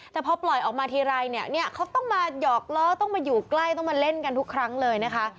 แต่พอปล่อยออกมาทีไรเนี่ยเนี่ยเขาต้องมาหยอกล้อต้องมาอยู่ใกล้ต้องมาเล่นกันทุกครั้งเลยนะคะ